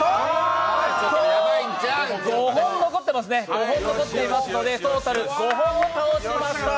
５本残っていますので、トータル５本倒しました